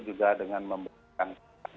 juga dengan membuahkan